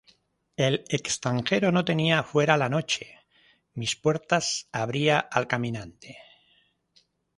El extranjero no tenía fuera la noche; Mis puertas abría al caminante.